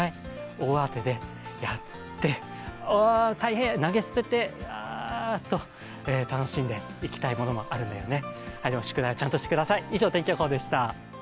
大慌てでやってあー、大変、投げ捨てて楽しんでいきたいものもあるんですね。